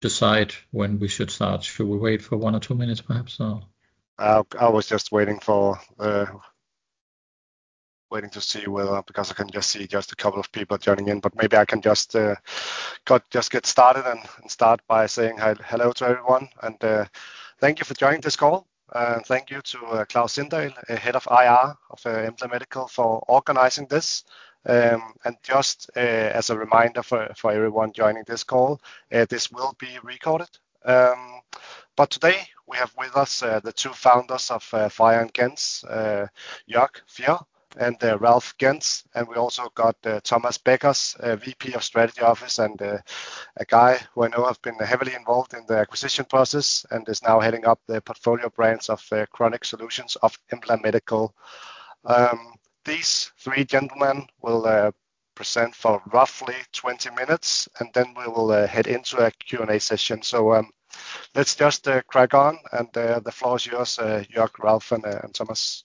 Decide when we should start. Should we wait for one or two minutes, perhaps, or? I was just waiting to see whether, because I can just see just a couple of people joining in, but maybe I can just get started and start by saying hello to everyone, and thank you for joining this call, and thank you to Klaus Sindel, head of IR of Embla Medical, for organizing this, and just as a reminder for everyone joining this call, this will be recorded, but today, we have with us the two founders of Fior & Gentz, Jörg Fior and Ralf Gentz, and we also got Thomas Beckers, VP of Strategy Office, and a guy who I know has been heavily involved in the acquisition process and is now heading up the portfolio brands of Chronic Solutions of Embla Medical. These three gentlemen will present for roughly 20 minutes, and then we will head into a Q&A session. So let's just crack on, and the floor is yours, Jörg, Ralf, and Thomas.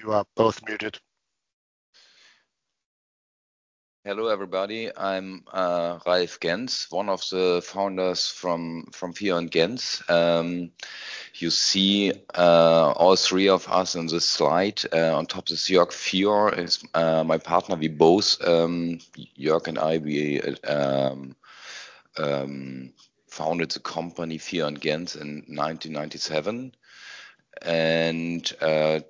You are both muted. Hello, everybody. I'm Ralf Gentz, one of the founders from Fior & Gentz. You see all three of us on this slide. On top is Jörg Fior, my partner. We both, Jörg and I, we founded the company Fior & Gentz in 1997. And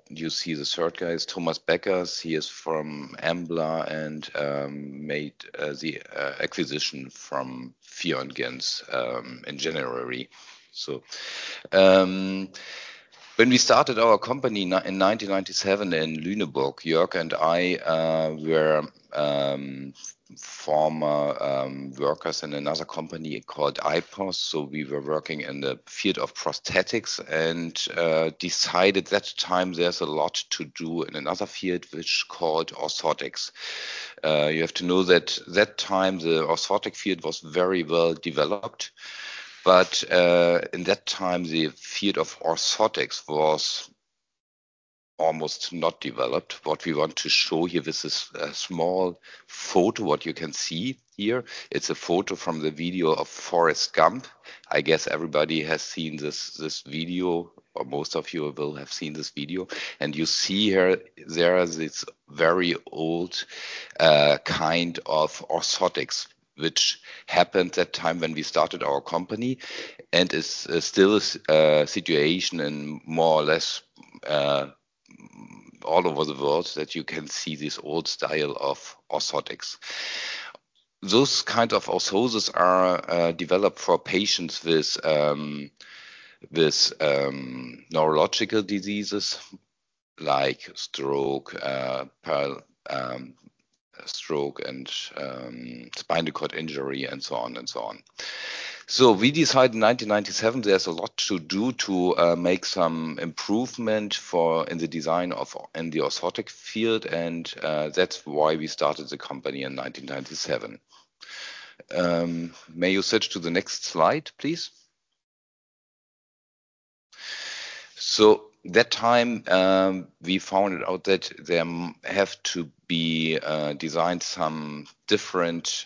you see the third guy is Thomas Beckers. He is from Embla and made the acquisition from Fior & Gentz in January. So when we started our company in 1997 in Lüneburg, Jörg and I were former workers in another company called IPOS. So we were working in the field of prosthetics and decided at that time there's a lot to do in another field, which is called orthotics. You have to know that at that time, the orthotic field was very well developed. But in that time, the field of orthotics was almost not developed. What we want to show here, this is a small photo what you can see here. It's a photo from the video of Forrest Gump. I guess everybody has seen this video, or most of you will have seen this video, and you see here, there is this very old kind of orthotics, which happened at that time when we started our company, and it's still a situation in more or less all over the world that you can see this old style of orthotics. Those kinds of orthoses are developed for patients with neurological diseases like stroke, spinal cord injury, and so on and so on, so we decided in 1997 there's a lot to do to make some improvement in the design of the orthotic field, and that's why we started the company in 1997. May you switch to the next slide, please? So that time, we found out that there have to be designed some different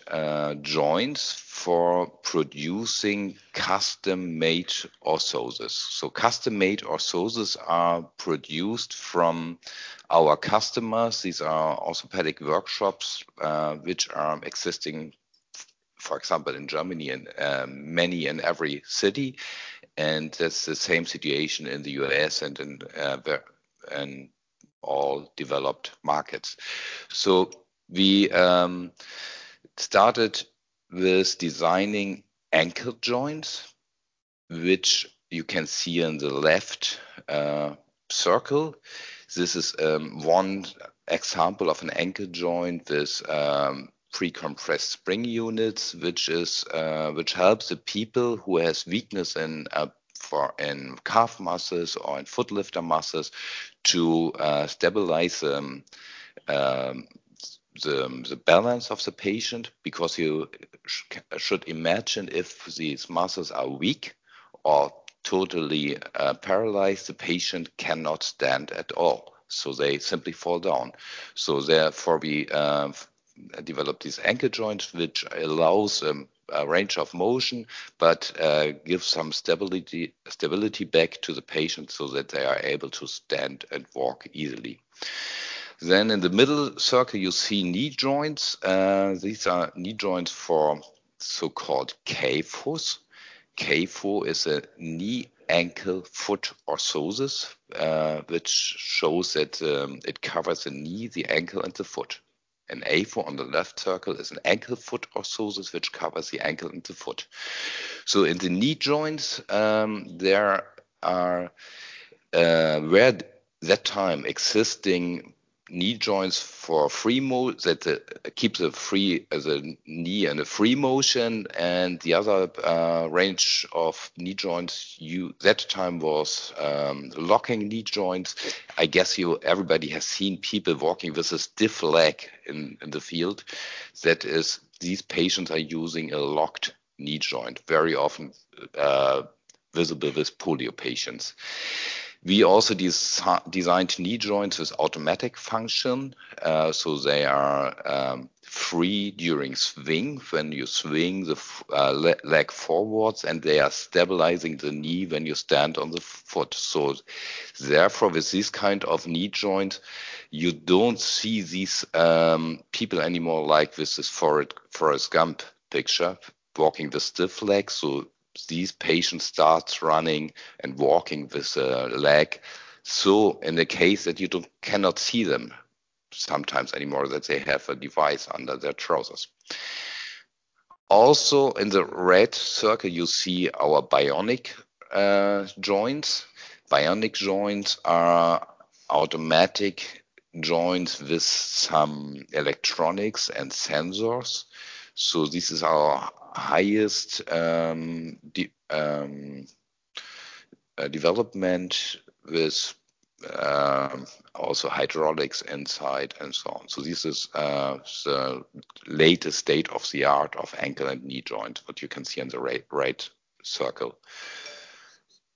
joints for producing custom-made orthoses. So custom-made orthoses are produced from our customers. These are orthopedic workshops, which are existing, for example, in Germany and many in every city. And that's the same situation in the U.S. and in all developed markets. So we started with designing ankle joints, which you can see in the left circle. This is one example of an ankle joint with pre-compressed spring units, which helps the people who have weakness in calf muscles or in foot lifter muscles to stabilize the balance of the patient. Because you should imagine if these muscles are weak or totally paralyzed, the patient cannot stand at all. So they simply fall down. So therefore, we developed these ankle joints, which allow a range of motion, but give some stability back to the patient so that they are able to stand and walk easily. Then in the middle circle, you see knee joints. These are knee joints for so-called KAFOs. KAFO is a knee, ankle, foot orthosis, which shows that it covers the knee, the ankle, and the foot. And AFO on the left circle is an ankle-foot orthosis, which covers the ankle and the foot. So in the knee joints, there are that time existing knee joints for free motion that keep the knee in a free motion. And the other range of knee joints that time was locking knee joints. I guess everybody has seen people walking with a stiff leg in the field. That is, these patients are using a locked knee joint, very often visible with polio patients. We also designed knee joints with automatic function. So they are free during swing. When you swing the leg forward, and they are stabilizing the knee when you stand on the foot. So therefore, with this kind of knee joint, you don't see these people anymore like with this Forrest Gump picture walking with stiff legs. So these patients start running and walking with a leg. So in the case that you cannot see them sometimes anymore, that they have a device under their trousers. Also, in the red circle, you see our bionic joints. Bionic joints are automatic joints with some electronics and sensors. So this is our highest development with also hydraulics inside and so on. So this is the latest state-of-the-art of ankle and knee joints, what you can see in the right circle.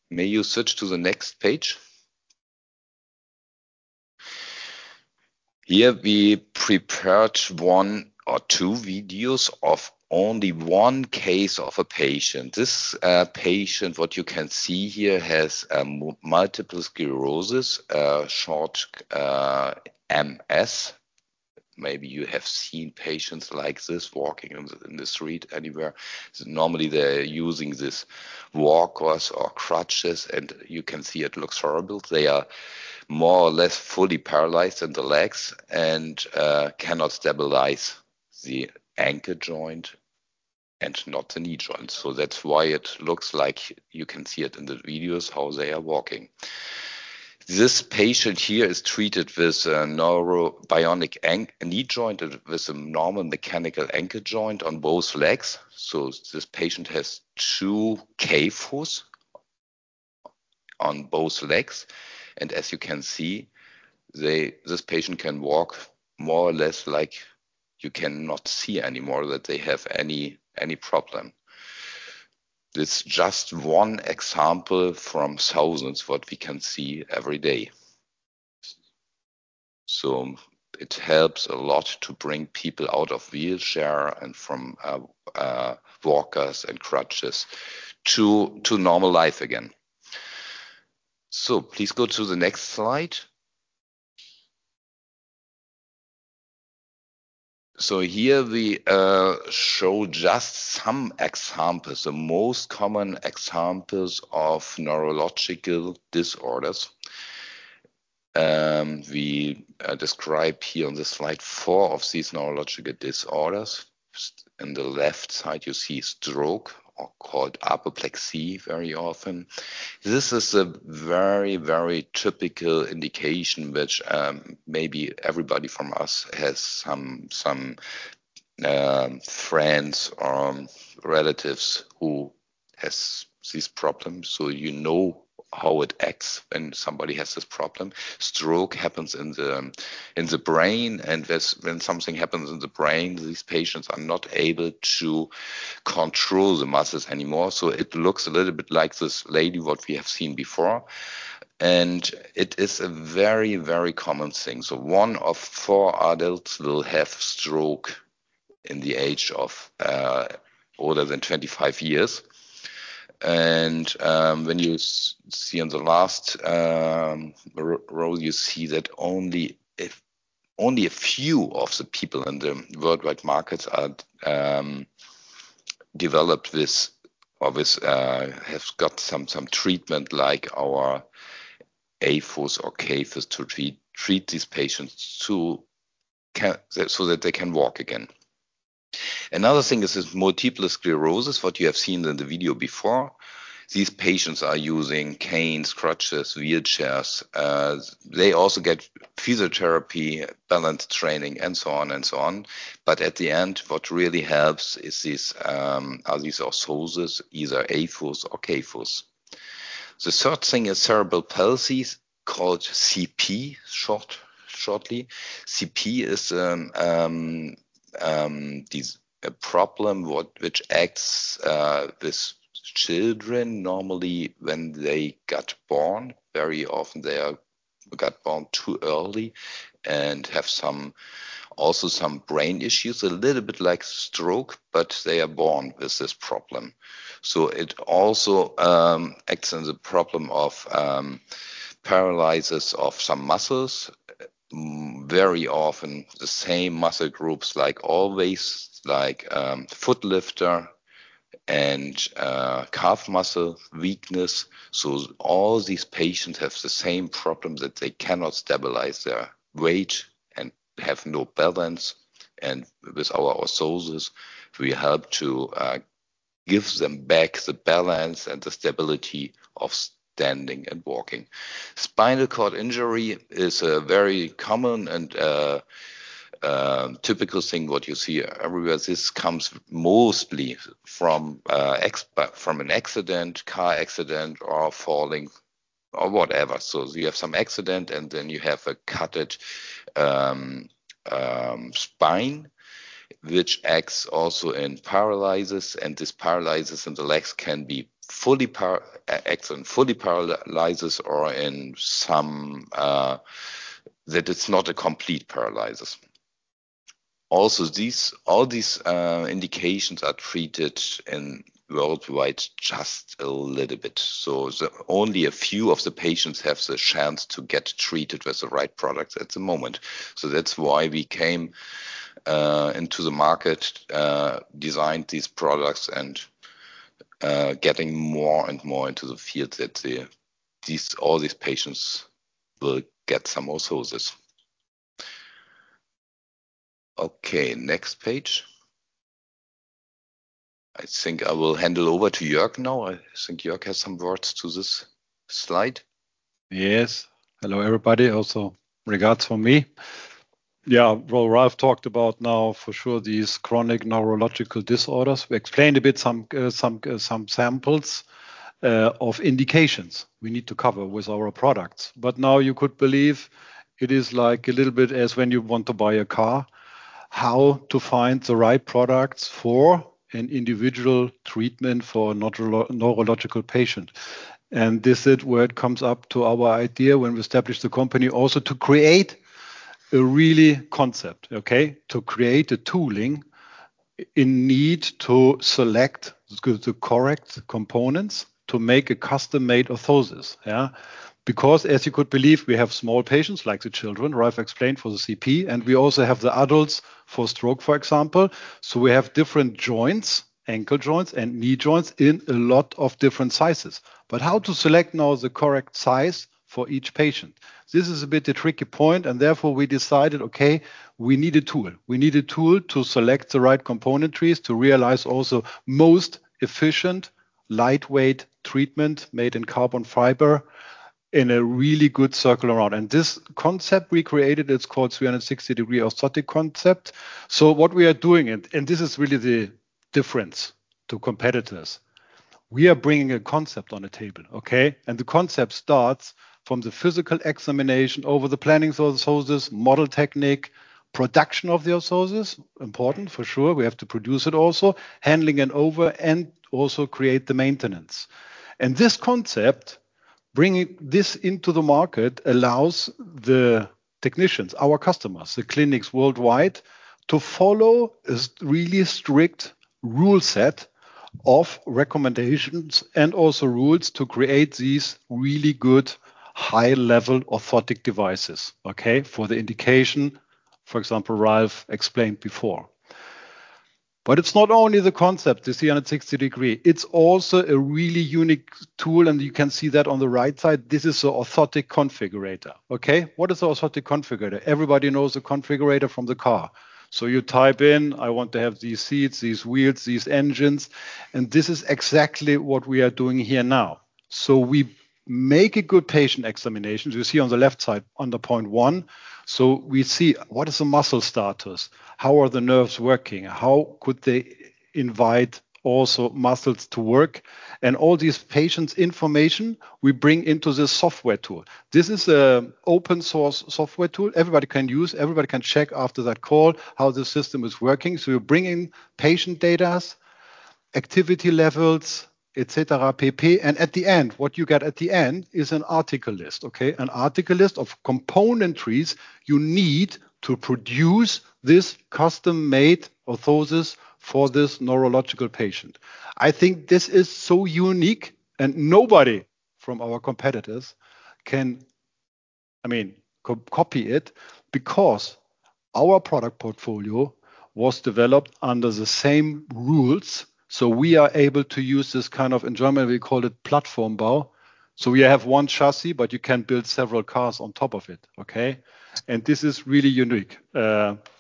May you switch to the next page? Here we prepared one or two videos of only one case of a patient. This patient, what you can see here, has multiple sclerosis, short MS. Maybe you have seen patients like this walking in the street anywhere. Normally, they're using these walkers or crutches, and you can see it looks horrible. They are more or less fully paralyzed in the legs and cannot stabilize the ankle joint and not the knee joint. So that's why it looks like you can see it in the videos how they are walking. This patient here is treated with a neurobionic knee joint with a normal mechanical ankle joint on both legs. So this patient has two KAFOs on both legs. And as you can see, this patient can walk more or less like you cannot see anymore that they have any problem. It's just one example from thousands what we can see every day. So it helps a lot to bring people out of wheelchair and from walkers and crutches to normal life again. So please go to the next slide. So here we show just some examples, the most common examples of neurological disorders. We describe here on this slide four of these neurological disorders. In the left side, you see stroke, called apoplexy very often. This is a very, very typical indication, which maybe everybody from us has some friends or relatives who have these problems. So you know how it acts when somebody has this problem. Stroke happens in the brain, and when something happens in the brain, these patients are not able to control the muscles anymore. So it looks a little bit like this lady what we have seen before. It is a very, very common thing. One of four adults will have a stroke in the age of older than 25 years. When you see on the last row, you see that only a few of the people in the worldwide markets are developed with or have got some treatment like our AFOs or KAFOs to treat these patients so that they can walk again. Another thing is this multiple sclerosis, what you have seen in the video before. These patients are using canes, crutches, wheelchairs. They also get physiotherapy, balance training, and so on and so on. But at the end, what really helps are these orthoses, either AFOs or KAFOs. The third thing is cerebral palsy, called CP, shortly. CP is a problem which acts with children. Normally, when they got born, very often they got born too early and have also some brain issues, a little bit like stroke, but they are born with this problem, so it also acts as a problem of paralysis of some muscles, very often the same muscle groups like always, like foot lifter and calf muscle weakness, so all these patients have the same problem that they cannot stabilize their weight and have no balance, and with our orthoses, we help to give them back the balance and the stability of standing and walking. Spinal cord injury is a very common and typical thing what you see everywhere. This comes mostly from an accident, car accident, or falling, or whatever, so you have some accident, and then you have a cut spine, which acts also in paralysis. This paralysis in the legs can be full or partial paralysis, or in some cases it's not a complete paralysis. Also, all these indications are treated worldwide just a little bit. So only a few of the patients have the chance to get treated with the right products at the moment. So that's why we came into the market, designed these products, and getting more and more into the field that all these patients will get some orthoses. Okay, next page. I think I will hand it over to Jörg now. I think Jörg has some words to this slide. Yes. Hello, everybody. Also, regards from me. Yeah, well, Ralf talked about now for sure these chronic neurological disorders. We explained a bit some examples of indications we need to cover with our products. But now you could believe it is like a little bit as when you want to buy a car, how to find the right products for an individual treatment for a neurological patient. And this is where it comes up to our idea when we established the company also to create a really concept, okay, to create a tooling in need to select the correct components to make a custom-made orthosis. Yeah? Because as you could believe, we have small patients like the children, Ralf explained for the CP, and we also have the adults for stroke, for example. So we have different joints, ankle joints and knee joints in a lot of different sizes. But how to select now the correct size for each patient? This is a bit a tricky point. And therefore, we decided, okay, we need a tool. We need a tool to select the right componentries to realize also most efficient lightweight treatment made in carbon fiber in a really good circle around. And this concept we created, it's called 360-degree Orthotic Concept. So what we are doing, and this is really the difference to competitors, we are bringing a concept on the table, okay? And the concept starts from the physical examination over the planning of the orthosis, model technique, production of the orthosis, important for sure. We have to produce it also, handling it over, and also create the maintenance. And this concept, bringing this into the market, allows the technicians, our customers, the clinics worldwide to follow a really strict rule set of recommendations and also rules to create these really good high-level orthotic devices, okay, for the indication, for example, Ralf explained before. But it's not only the concept, the 360-degree. It's also a really unique tool, and you can see that on the right side. This is an orthotic configurator, okay? What is an orthotic configurator? Everybody knows a configurator from the car, so you type in, "I want to have these seats, these wheels, these engines," and this is exactly what we are doing here now, so we make a good patient examination. You see on the left side under point one, so we see what is the muscle status, how are the nerves working, how could they invite also muscles to work. And all these patients' information, we bring into this software tool. This is an open-source software tool. Everybody can use. Everybody can check after that call how the system is working, so we're bringing patient data, activity levels, etc., pp. At the end, what you get at the end is an article list, okay, an article list of componentries you need to produce this custom-made orthosis for this neurological patient. I think this is so unique, and nobody from our competitors can, I mean, copy it because our product portfolio was developed under the same rules. So we are able to use this kind of, in Germany, we call it Plattformbau. So we have one chassis, but you can build several cars on top of it, okay? And this is really unique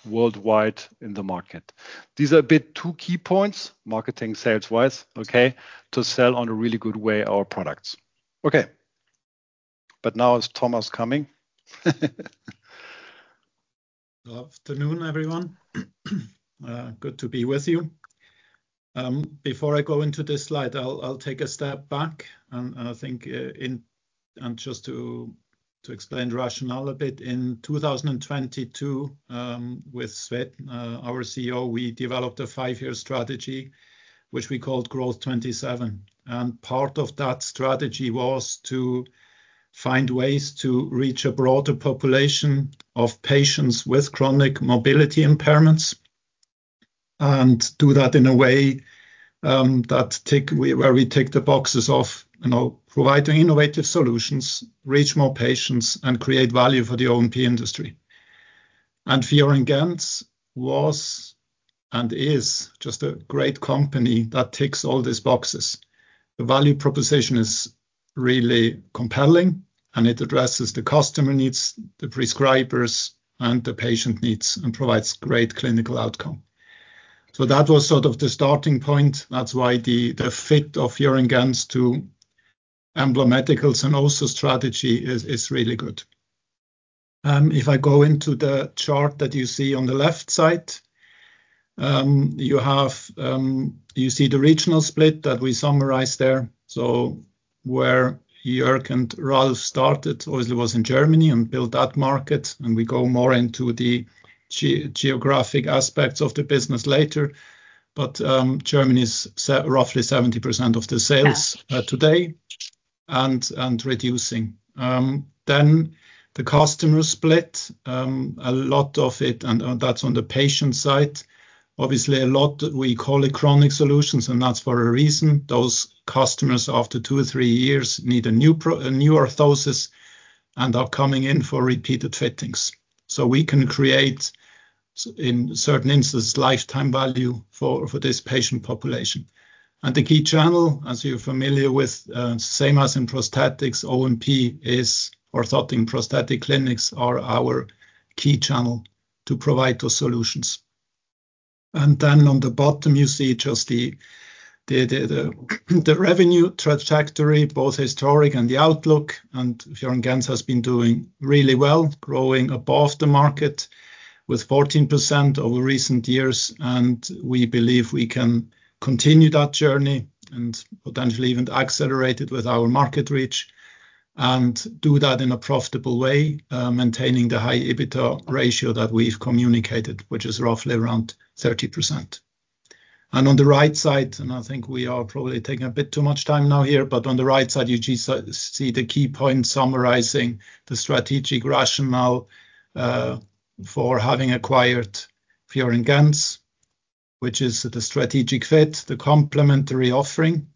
worldwide in the market. These are a bit two key points, marketing sales-wise, okay, to sell in a really good way our products. Okay. Now is Thomas coming. Good afternoon, everyone. Good to be with you. Before I go into this slide, I'll take a step back, and I think just to explain rationale a bit, in 2022, with Sveinn, our CEO, we developed a five-year strategy, which we called Growth '27, and part of that strategy was to find ways to reach a broader population of patients with chronic mobility impairments and do that in a way that where we tick the boxes of providing innovative solutions, reach more patients, and create value for the O&P industry. And Fior & Gentz was and is just a great company that ticks all these boxes. The value proposition is really compelling, and it addresses the customer needs, the prescribers, and the patient needs, and provides great clinical outcome, so that was sort of the starting point. That's why the fit of Fior & Gentz to Embla Medical, Sölvason, and also strategy is really good. If I go into the chart that you see on the left side, you see the regional split that we summarized there, so where Jörg and Ralf started, obviously, was in Germany and built that market, and we go more into the geographic aspects of the business later, but Germany's roughly 70% of the sales today and reducing. Then the customer split, a lot of it, and that's on the patient side. Obviously, a lot we call it Chronic Solutions, and that's for a reason. Those customers, after two or three years, need a new orthosis and are coming in for repeated fittings, so we can create, in certain instances, lifetime value for this patient population. And the key channel, as you're familiar with, same as in prosthetics, O&P is orthotic and prosthetic clinics are our key channel to provide those solutions. And then on the bottom, you see just the revenue trajectory, both historic and the outlook. And Fior & Gentz has been doing really well, growing above the market with 14% over recent years. And we believe we can continue that journey and potentially even accelerate it with our market reach and do that in a profitable way, maintaining the high EBITDA ratio that we've communicated, which is roughly around 30%. And on the right side, and I think we are probably taking a bit too much time now here, but on the right side, you see the key points summarizing the strategic rationale for having acquired Fior & Gentz, which is the strategic fit, the complementary offering.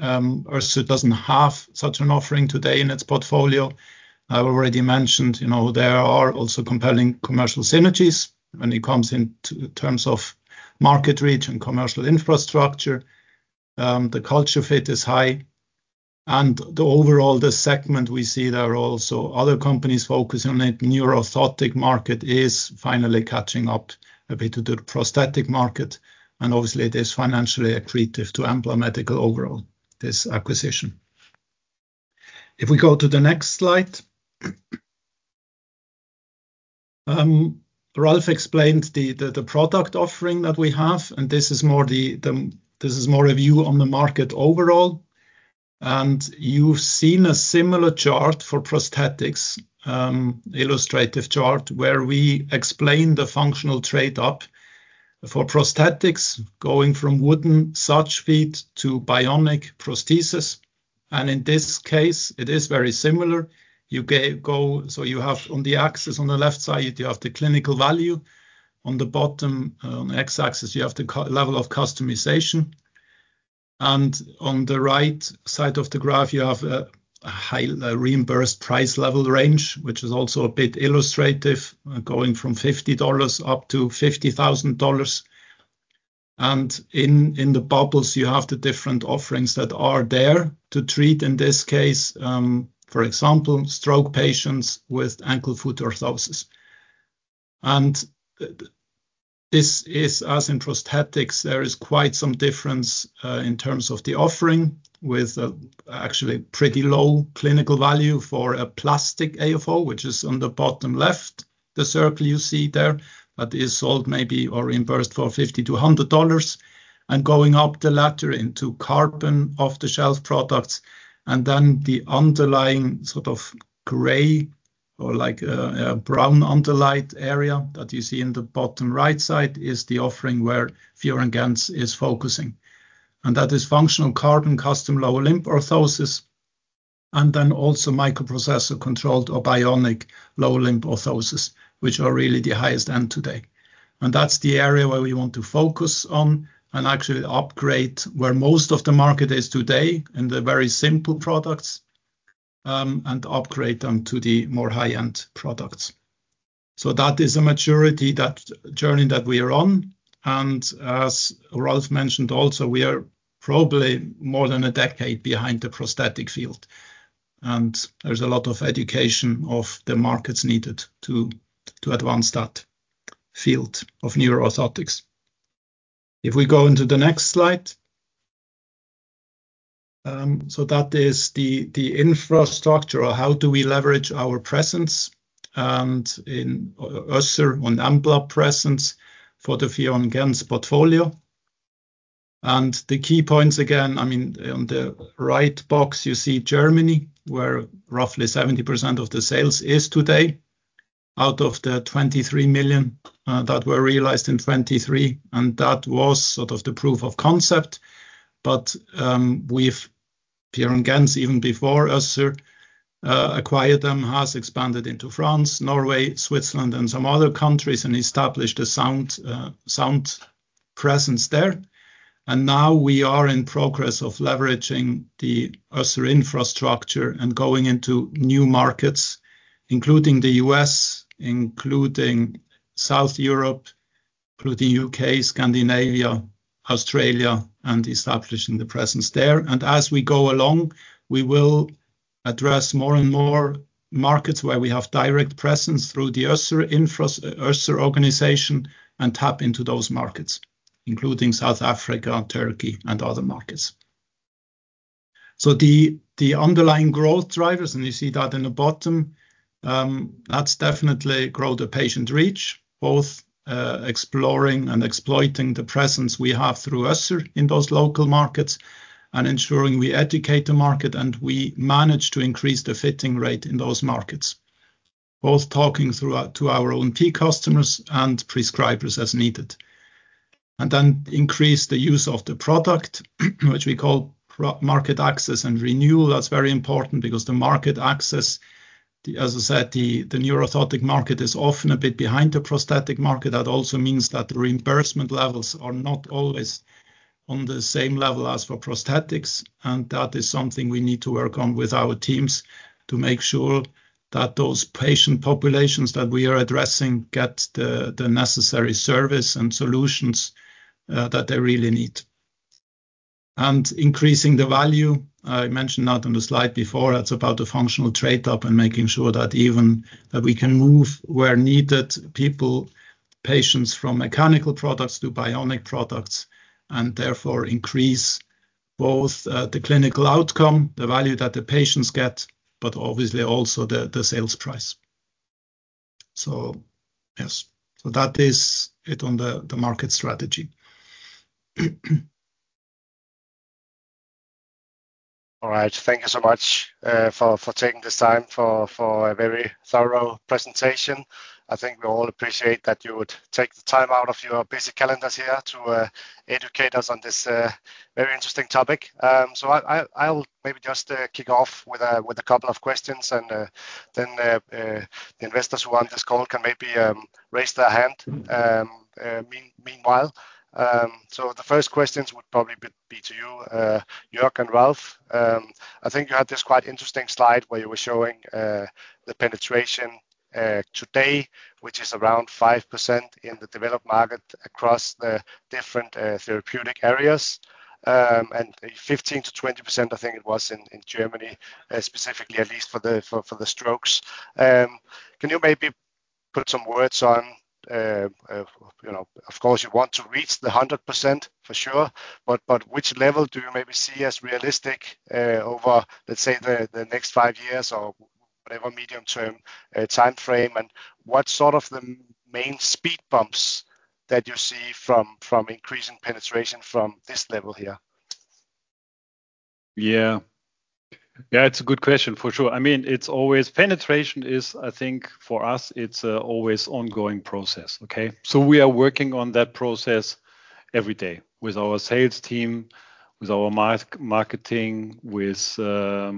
Össur it doesn't have such an offering today in its portfolio. I already mentioned there are also compelling commercial synergies when it comes in terms of market reach and commercial infrastructure. The culture fit is high. And overall, the segment we see there are also other companies focusing on it. The neuro-orthotics market is finally catching up a bit to the prosthetic market. And obviously, it is financially accretive to Embla Medical overall, this acquisition. If we go to the next slide, Ralf explained the product offering that we have. And this is more a view on the market overall. And you've seen a similar chart for prosthetics, illustrative chart, where we explain the functional trade-off for prosthetics going from wooden SACH feet to bionic prosthesis. And in this case, it is very similar. So you have on the axis on the left side, you have the clinical value. On the bottom, on the x-axis, you have the level of customization, and on the right side of the graph, you have a reimbursed price level range, which is also a bit illustrative, going from $50 up to $50,000. In the bubbles, you have the different offerings that are there to treat, in this case, for example, stroke patients with ankle-foot orthosis. This is as in prosthetics. There is quite some difference in terms of the offering with actually pretty low clinical value for a plastic AFO, which is on the bottom left, the circle you see there, that is sold maybe or reimbursed for $50-$100. Going up the ladder into carbon off-the-shelf products, and then the underlying sort of gray or like a brown underlying area that you see in the bottom right side is the offering where Fior & Gentz is focusing. And that is functional carbon custom lower-limb orthosis, and then also microprocessor-controlled or bionic lower-limb orthosis, which are really the highest end today, and that's the area where we want to focus on and actually upgrade where most of the market is today in the very simple products and upgrade them to the more high-end products. So that is a maturity journey that we are on, and as Ralf mentioned also, we are probably more than a decade behind the prosthetic field, and there's a lot of education of the markets needed to advance that field of neuro-orthotics. If we go into the next slide, so that is the infrastructure or how do we leverage our presence and Össur and Embla presence for the Fior & Gentz portfolio. And the key points again, I mean, on the right box, you see Germany, where roughly 70% of the sales is today out of the 23 million that were realized in 2023. And that was sort of the proof of concept. But Fior & Gentz, even before we acquired them, has expanded into France, Norway, Switzerland, and some other countries, and established a sound presence there. And now we are in progress of leveraging the Össur infrastructure and going into new markets, including the U.S., including South Europe, including the U.K., Scandinavia, Australia, and establishing the presence there. And as we go along, we will address more and more markets where we have direct presence through the Össur organization and tap into those markets, including South Africa, Turkey, and other markets. So the underlying growth drivers, and you see that in the bottom, that's definitely grow the patient reach, both exploring and exploiting the presence we have through Össur in those local markets and ensuring we educate the market and we manage to increase the fitting rate in those markets, both talking to our O&P customers and prescribers as needed. And then increase the use of the product, which we call market access and renewal. That's very important because the market access, as I said, the neuro-orthotics market is often a bit behind the prosthetic market. That also means that the reimbursement levels are not always on the same level as for prosthetics. And that is something we need to work on with our teams to make sure that those patient populations that we are addressing get the necessary service and solutions that they really need. And increasing the value, I mentioned that on the slide before. That's about the functional trade-off and making sure that even that we can move where needed people, patients from mechanical products to bionic products and therefore increase both the clinical outcome, the value that the patients get, but obviously also the sales price. So yes, so that is it on the market strategy. All right. Thank you so much for taking this time for a very thorough presentation. I think we all appreciate that you would take the time out of your busy calendars here to educate us on this very interesting topic, so I'll maybe just kick off with a couple of questions, and then the investors who are on this call can maybe raise their hand meanwhile. So the first questions would probably be to you, Jörg and Ralf. I think you had this quite interesting slide where you were showing the penetration today, which is around 5% in the developed market across the different therapeutic areas, and 15%-20%, I think it was in Germany, specifically at least for the strokes. Can you maybe put some words on, of course, you want to reach the 100% for sure, but which level do you maybe see as realistic over, let's say, the next five years or whatever medium-term timeframe? And what sort of the main speed bumps that you see from increasing penetration from this level here? Yeah. Yeah, it's a good question for sure. I mean, penetration is, I think, for us, it's an always ongoing process, okay? So we are working on that process every day with our sales team, with our marketing, with the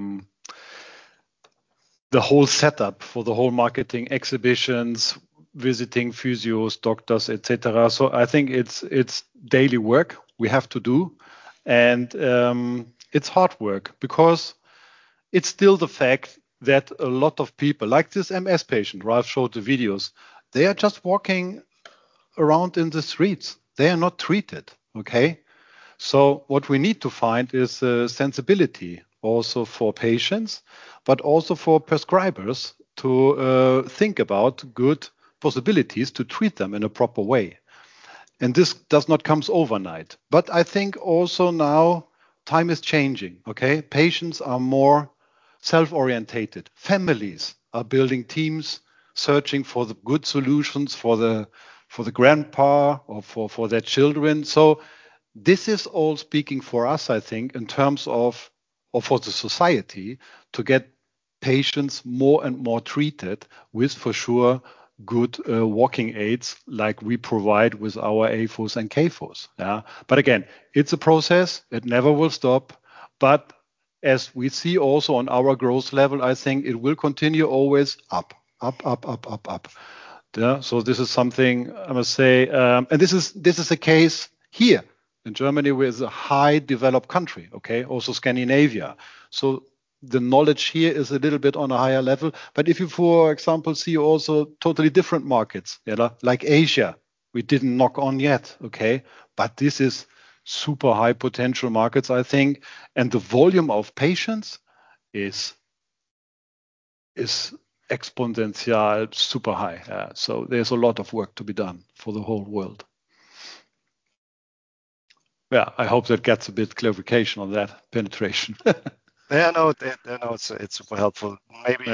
whole setup for the whole marketing exhibitions, visiting physios, doctors, etc. So I think it's daily work we have to do. And it's hard work because it's still the fact that a lot of people, like this MS patient, Ralf showed the videos, they are just walking around in the streets. They are not treated, okay? So what we need to find is sensibility also for patients, but also for prescribers to think about good possibilities to treat them in a proper way. And this does not come overnight. But I think also now time is changing, okay? Patients are more self-oriented. Families are building teams, searching for the good solutions for the grandpa or for their children, so this is all speaking for us, I think, in terms of or for the society to get patients more and more treated with, for sure, good walking aids like we provide with our AFOs and KAFOs, but again, it's a process. It never will stop, but as we see also on our growth level, I think it will continue always up, up, up, up, up, up, so this is something I must say, and this is a case here in Germany, which is a highly developed country, okay? Also Scandinavia, so the knowledge here is a little bit on a higher level. But if you, for example, see also totally different markets, like Asia, we didn't knock on yet, okay, but this is super high potential markets, I think. And the volume of patients is exponential, super high. So there's a lot of work to be done for the whole world. Yeah, I hope that gets a bit clarification on that penetration. Yeah, no, it's super helpful. Maybe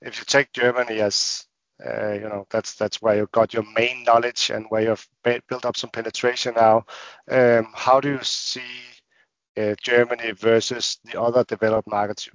if you take Germany as that's where you got your main knowledge and where you've built up some penetration now, how do you see Germany versus the other developed markets?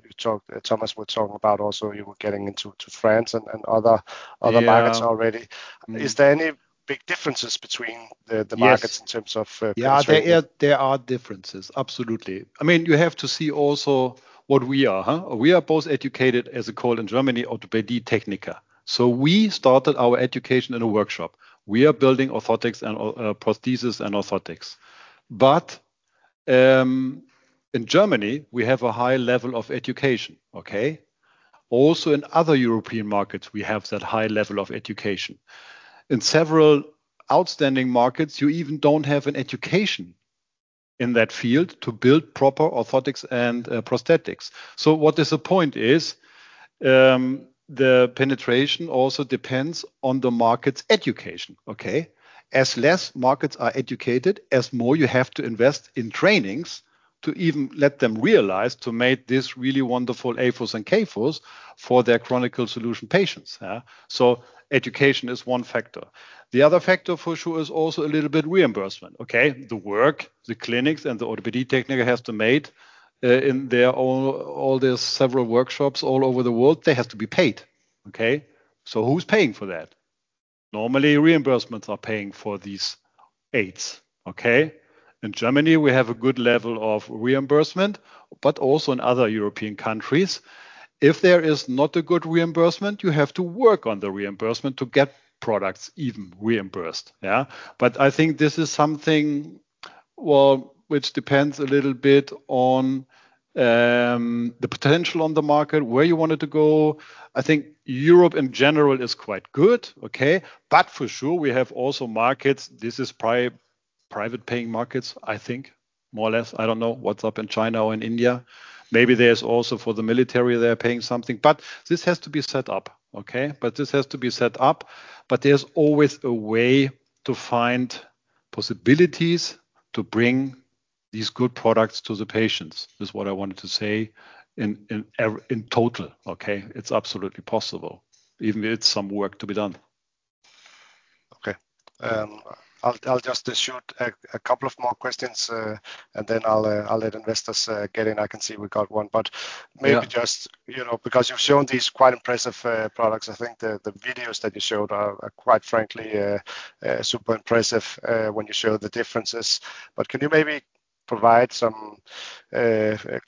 Thomas was talking about also you were getting into France and other markets already. Is there any big differences between the markets in terms of penetration? Yeah, there are differences. Absolutely. I mean, you have to see also what we are. We are both educated, as you call it in Germany, Orthopädietechniker. So we started our education in a workshop. We are building prosthesis and orthotics. But in Germany, we have a high level of education, okay? Also in other European markets, we have that high level of education. In several outstanding markets, you even don't have an education in that field to build proper orthotics and prosthetics. So what is the point is the penetration also depends on the market's education, okay? As fewer markets are educated, the more you have to invest in trainings to even let them realize to make these really wonderful AFOs and KFOs for their Chronic Solutions patients. So education is one factor. The other factor for sure is also a little bit reimbursement, okay? The work, the clinics, and the Orthopädietechniker has to make in their own all these several workshops all over the world, they have to be paid, okay? So who's paying for that? Normally, reimbursements are paying for these aids, okay? In Germany, we have a good level of reimbursement, but also in other European countries, if there is not a good reimbursement, you have to work on the reimbursement to get products even reimbursed, yeah? But I think this is something, well, which depends a little bit on the potential on the market, where you want it to go. I think Europe in general is quite good, okay? But for sure, we have also markets. This is private-paying markets, I think, more or less. I don't know what's up in China or in India. Maybe there's also for the military, they're paying something. But this has to be set up, okay? There's always a way to find possibilities to bring these good products to the patients. This is what I wanted to say in total, okay? It's absolutely possible. Even if it's some work to be done. Okay. I'll just shoot a couple of more questions, and then I'll let investors get in. I can see we got one, but maybe just because you've shown these quite impressive products, I think the videos that you showed are quite frankly super impressive when you show the differences, but can you maybe provide some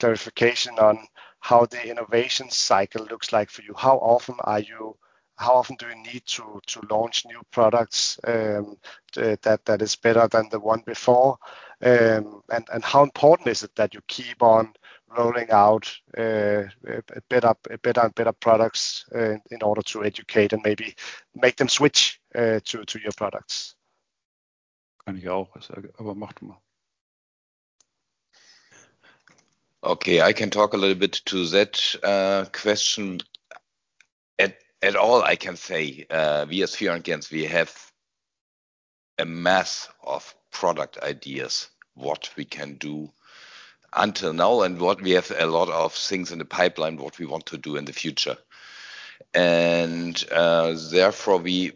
clarification on how the innovation cycle looks like for you? How often do you need to launch new products that is better than the one before? And how important is it that you keep on rolling out better and better products in order to educate and maybe make them switch to your products? Okay, I can talk a little bit to that question. After all, I can say, we at Fior & Gentz, we have a mass of product ideas, what we can do until now, and we have a lot of things in the pipeline, what we want to do in the future. And therefore, we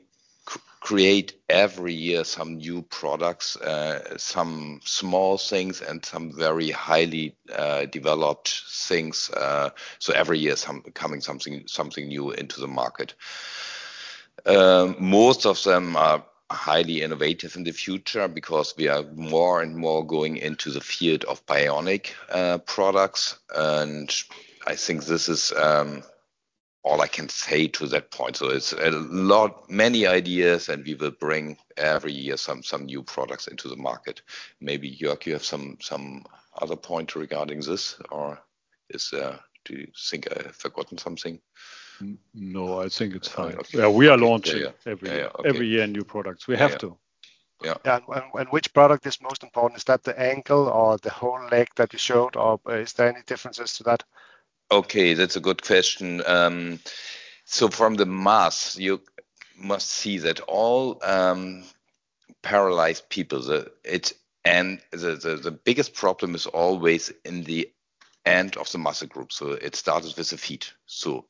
create every year some new products, some small things, and some very highly developed things. So every year, coming something new into the market. Most of them are highly innovative in the future because we are more and more going into the field of bionic products. And I think this is all I can say to that point. So it's a lot, many ideas, and we will bring every year some new products into the market. Maybe Jörg, you have some other point regarding this, or do you think I forgotten something? No, I think it's fine. Yeah, we are launching every year new products. We have to. Yeah. And which product is most important? Is that the ankle or the whole leg that you showed us? Is there any differences to that? Okay, that's a good question. So from the math, you must see that all paralyzed people, and the biggest problem is always in the end of the muscle group. So it starts with the feet. So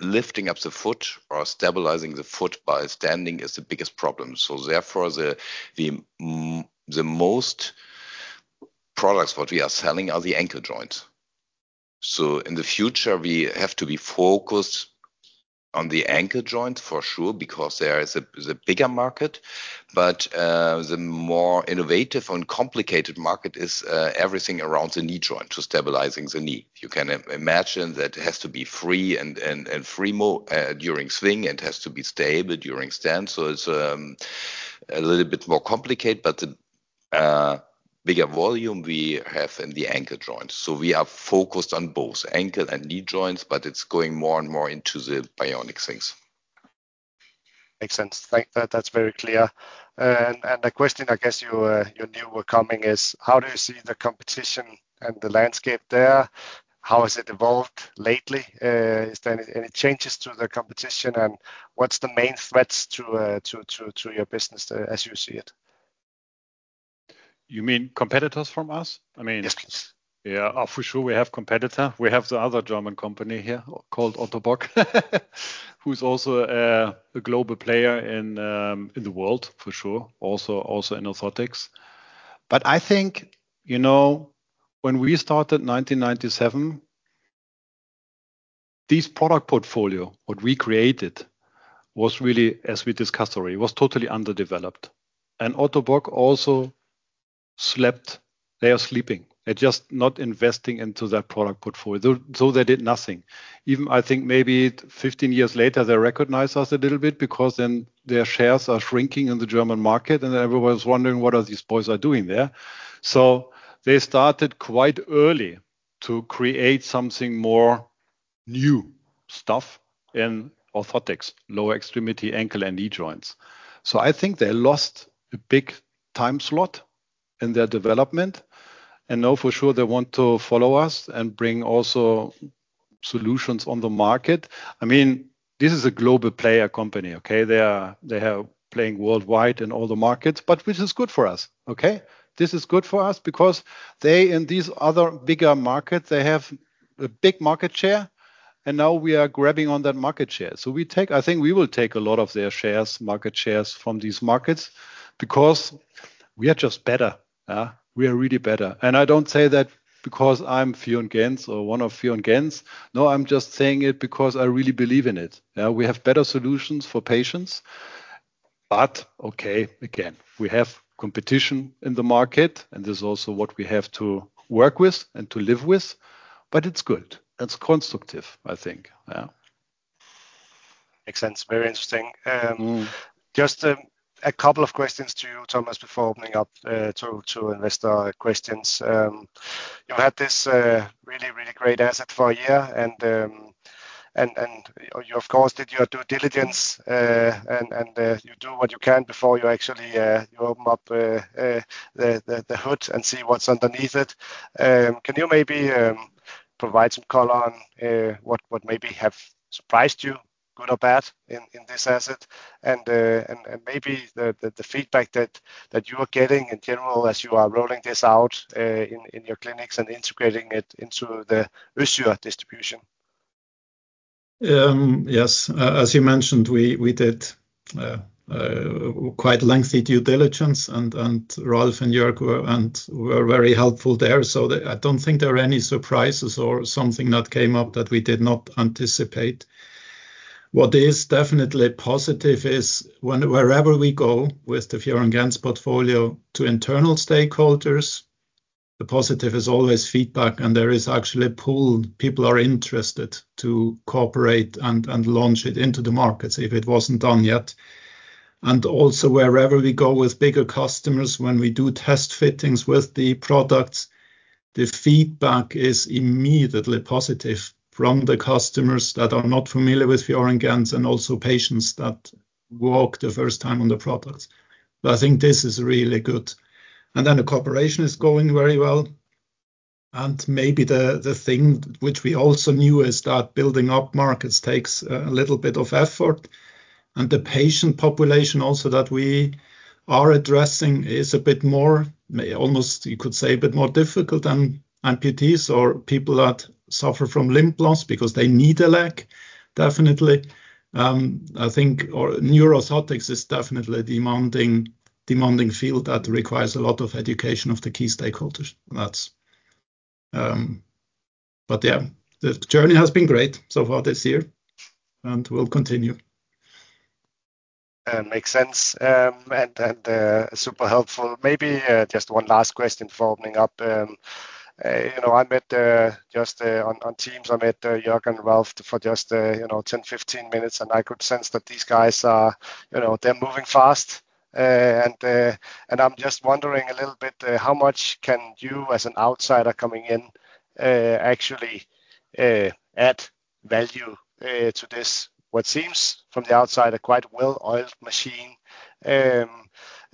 lifting up the foot or stabilizing the foot by standing is the biggest problem. So therefore, the most products what we are selling are the ankle joints. So in the future, we have to be focused on the ankle joints for sure because there is a bigger market. But the more innovative and complicated market is everything around the knee joint, to stabilizing the knee. You can imagine that it has to be free and free motion during swing. It has to be stable during stance. So it's a little bit more complicated, but the bigger volume we have in the ankle joints. We are focused on both ankle and knee joints, but it's going more and more into the bionic things. Makes sense. That's very clear. And the question, I guess you knew were coming is, how do you see the competition and the landscape there? How has it evolved lately? Is there any changes to the competition? And what's the main threats to your business as you see it? You mean competitors from us? I mean. Yes, please. Yeah. For sure, we have competitor. We have the other German company here called Ottobock, who's also a global player in the world, for sure, also in orthotics. But I think when we started 1997, this product portfolio, what we created, was really, as we discussed already, was totally underdeveloped, and Ottobock also slept. They are sleeping. They're just not investing into that product portfolio. So they did nothing. Even I think maybe 15 years later, they recognize us a little bit because then their shares are shrinking in the German market, and everyone's wondering what are these boys are doing there. So they started quite early to create something more new stuff in orthotics, lower extremity ankle and knee joints. So I think they lost a big time slot in their development. And now for sure, they want to follow us and bring also solutions on the market. I mean, this is a global player company, okay? They are playing worldwide in all the markets, which is good for us, okay? This is good for us because they in these other bigger markets, they have a big market share, and now we are grabbing on that market share. So I think we will take a lot of their shares, market shares from these markets because we are just better. We are really better, and I don't say that because I'm Fior & Gentz or one of Fior & Gentz. No, I'm just saying it because I really believe in it. We have better solutions for patients, but okay, again, we have competition in the market, and this is also what we have to work with and to live with, but it's good. It's constructive, I think, yeah. Makes sense. Very interesting. Just a couple of questions to you, Thomas, before opening up to investor questions. You had this really, really great asset for a year. And you, of course, did your due diligence, and you do what you can before you actually open up the hood and see what's underneath it. Can you maybe provide some color on what maybe have surprised you, good or bad, in this asset? And maybe the feedback that you are getting in general as you are rolling this out in your clinics and integrating it into the user distribution? Yes. As you mentioned, we did quite lengthy due diligence, and Ralf and Jörg were very helpful there. So I don't think there are any surprises or something that came up that we did not anticipate. What is definitely positive is wherever we go with the Fior & Gentz portfolio to internal stakeholders, the positive is always feedback, and there is actually a pool of people who are interested to cooperate and launch it into the markets if it wasn't done yet. And also, wherever we go with bigger customers, when we do test fittings with the products, the feedback is immediately positive from the customers that are not familiar with Fior & Gentz and also patients that walk the first time on the products. But I think this is really good. And then the cooperation is going very well. Maybe the thing which we also knew is that building up markets takes a little bit of effort. The patient population also that we are addressing is a bit more, almost you could say a bit more difficult than amputees or people that suffer from limb loss because they need a leg, definitely. I think neuro-orthotics is definitely a demanding field that requires a lot of education of the key stakeholders. Yeah, the journey has been great so far this year and will continue. Yeah, makes sense. And super helpful. Maybe just one last question for opening up. I met just on Teams. I met Jörg and Ralf for just 10, 15 minutes, and I could sense that these guys, they're moving fast. And I'm just wondering a little bit, how much can you as an outsider coming in actually add value to this? What seems from the outsider quite well-oiled machine,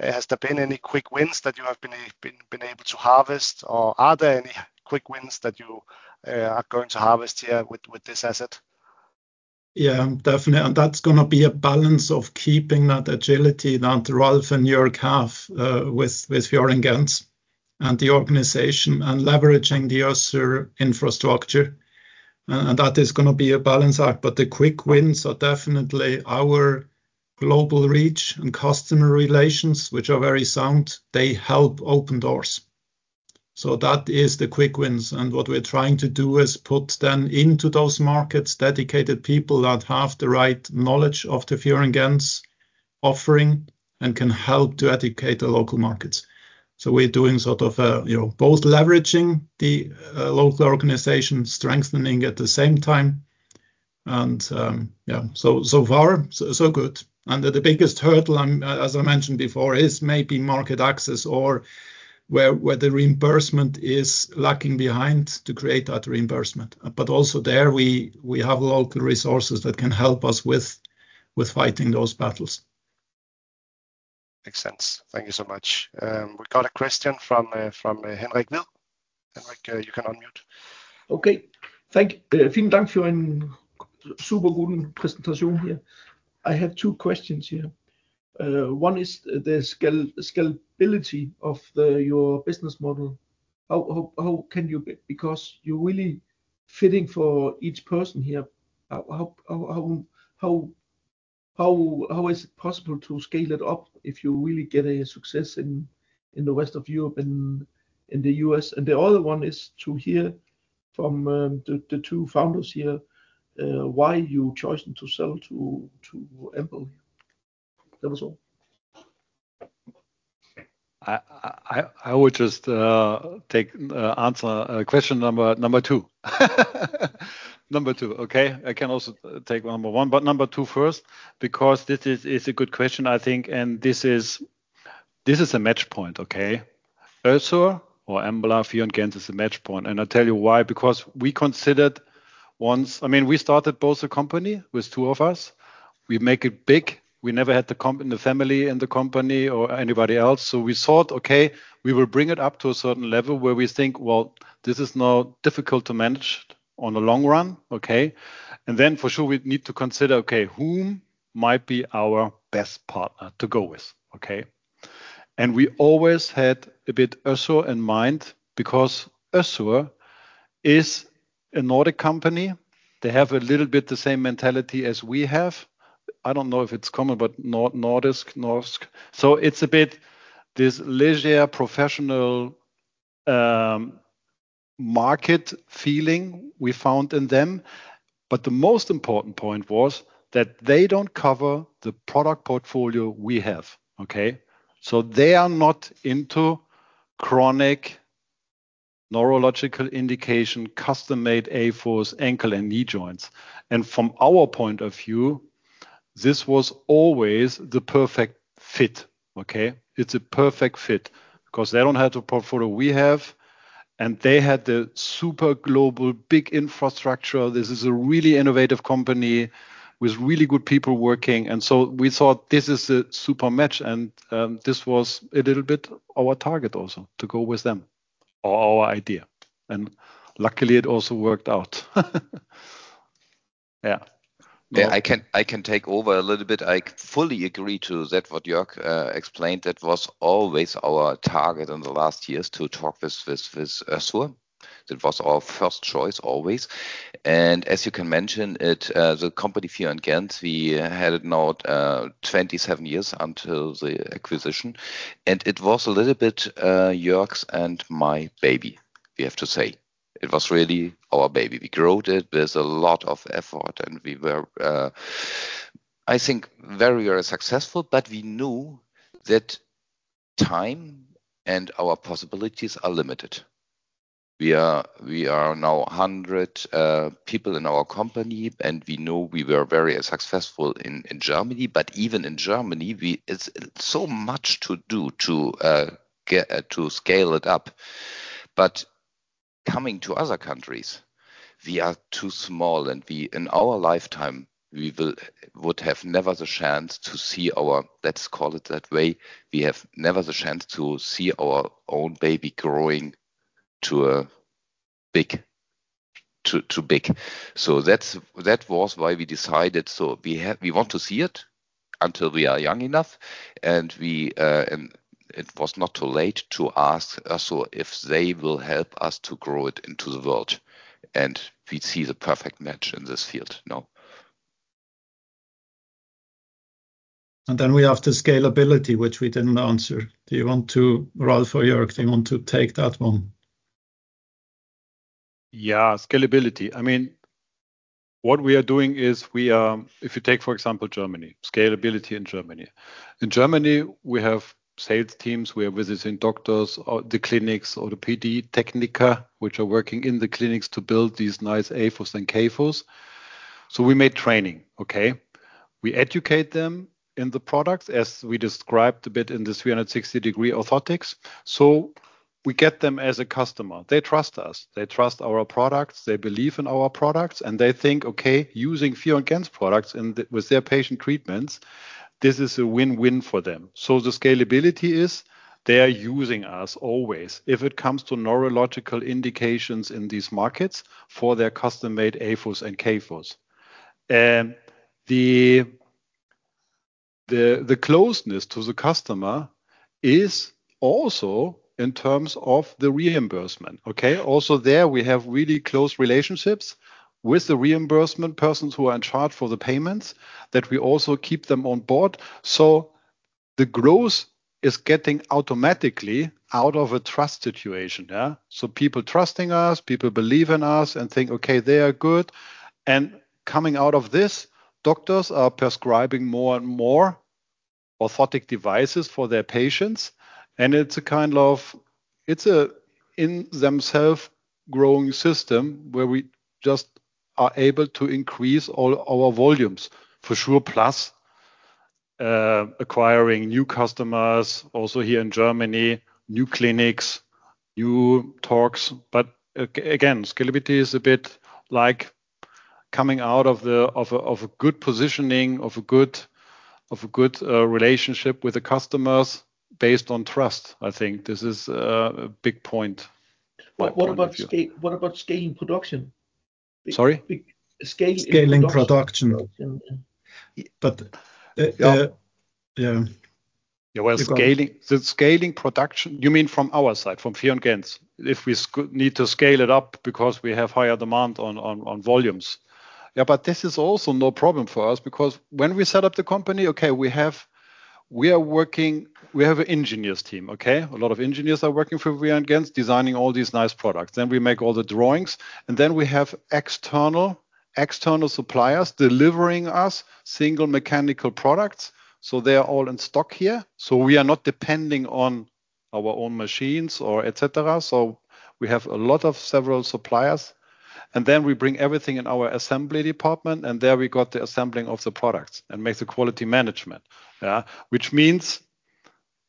has there been any quick wins that you have been able to harvest, or are there any quick wins that you are going to harvest here with this asset? Yeah, definitely. That's going to be a balance of keeping that agility that Ralf and Jörg have with Fior & Gentz and the organization and leveraging the Össur infrastructure. That's going to be a balancing act. The quick wins are definitely our global reach and customer relations, which are very sound. They help open doors. That is the quick wins. What we're trying to do is put them into those markets dedicated people that have the right knowledge of the Fior & Gentz offering and can help to educate the local markets. We're doing sort of both leveraging the local organization, strengthening at the same time. Yeah, so far, so good. The biggest hurdle, as I mentioned before, is maybe market access or where the reimbursement is lagging behind to create that reimbursement. But also there, we have local resources that can help us with fighting those battles. Makes sense. Thank you so much. We've got a question from Henrik. You can unmute. Okay. Thank you. Vielen Dank für eine super gute Präsentation hier. I have two questions here. One is the scalability of your business model. How can you because you're really fitting for each person here. How is it possible to scale it up if you really get a success in the rest of Europe and the US? And the other one is to hear from the two founders here why you chose to sell to Embla. That was all. I would just take answer question number two. Number two, okay? I can also take number one, but number two first because this is a good question, I think, and this is a match point, okay? Össur or Embla, Fior & Gentz is a match point. I'll tell you why. Because we considered once, I mean, we started both a company with two of us. We make it big. We never had the family in the company or anybody else. We thought, okay, we will bring it up to a certain level where we think, well, this is now difficult to manage on the long run, okay? Then for sure, we need to consider, okay, whom might be our best partner to go with, okay? We always had a bit Össur in mind because Össur is a Nordic company. They have a little bit the same mentality as we have. I don't know if it's common, but Nordic, Norwegian. So it's a bit this leisure professional market feeling we found in them. But the most important point was that they don't cover the product portfolio we have, okay? So they are not into chronic neurological indication, custom-made AFOS, ankle and knee joints. And from our point of view, this was always the perfect fit, okay? It's a perfect fit because they don't have the portfolio we have, and they had the super global big infrastructure. This is a really innovative company with really good people working. And so we thought this is a super match. And this was a little bit our target also to go with them or our idea. And luckily, it also worked out. Yeah. Yeah, I can take over a little bit. I fully agree to that what Jörg explained. That was always our target in the last years to talk with Össur. That was our first choice always. And as you can mention, the company Fior & Gentz, we had it now 27 years until the acquisition. And it was a little bit Jörg's and my baby, we have to say. It was really our baby. We growed it with a lot of effort, and we were, I think, very, very successful. But we knew that time and our possibilities are limited. We are now 100 people in our company, and we knew we were very successful in Germany. But even in Germany, it's so much to do to scale it up. But coming to other countries, we are too small. And in our lifetime, we would have never the chance to see our, let's call it that way, we have never the chance to see our own baby growing too big. So that was why we decided. So we want to see it until we are young enough. And it was not too late to ask Össur if they will help us to grow it into the world. And we see the perfect match in this field now. And then we have the scalability, which we didn't answer. Do you want to, Ralf or Jörg, do you want to take that one? Yeah, scalability. I mean, what we are doing is, if you take, for example, Germany, scalability in Germany. In Germany, we have sales teams. We are visiting doctors or the clinics or the Orthopädietechniker, which are working in the clinics to build these nice AFOs and KAFOs. So we made training, okay? We educate them in the products as we described a bit in the 360-degree orthotics. So we get them as a customer. They trust us. They trust our products. They believe in our products. And they think, okay, using Fior & Gentz products with their patient treatments, this is a win-win for them. So the scalability is they are using us always if it comes to neurological indications in these markets for their custom-made AFOs and KAFOs. The closeness to the customer is also in terms of the reimbursement, okay? Also there, we have really close relationships with the reimbursement persons who are in charge for the payments that we also keep them on board, so the growth is getting automatically out of a trust situation, yeah, so people trusting us, people believe in us and think, okay, they are good, and coming out of this, doctors are prescribing more and more orthotic devices for their patients, and it's a kind of, it's an in-themselves growing system where we just are able to increase all our volumes for sure, plus acquiring new customers also here in Germany, new clinics, new talks. But again, scalability is a bit like coming out of a good positioning, of a good relationship with the customers based on trust, I think. This is a big point. What about scaling production? Sorry? Scaling production. But yeah. Yeah. Yeah. Well, scaling production, you mean from our side, from Fior & Gentz, if we need to scale it up because we have higher demand on volumes. Yeah, but this is also no problem for us because when we set up the company, okay, we are working, we have an engineers team, okay? A lot of engineers are working for Fior & Gentz designing all these nice products. Then we make all the drawings. And then we have external suppliers delivering us single mechanical products. So they are all in stock here. So we are not depending on our own machines or etc. So we have a lot of several suppliers. And then we bring everything in our assembly department, and there we got the assembling of the products and make the quality management, yeah? Which means,